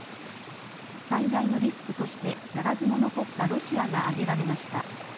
最大のリスクとしてならず者国家ロシアが挙げられました。